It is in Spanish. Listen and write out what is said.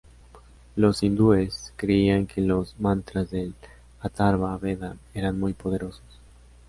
Los hindúes creían que los mantras del "Atharva-veda" eran muy poderosos.